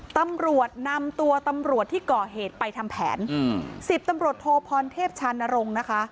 ตำรวจนำตัวตำรวจที่ก่อเหตุไปทำแผนอืมสิบตำรวจโทพรเทพชานรงค์นะคะ